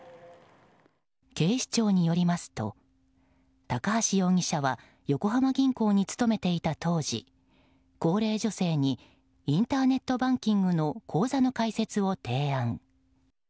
警視庁によりますと高橋容疑者は横浜銀行に勤めていた当時高齢女性にインターネットバンキングの口座の開設を提案。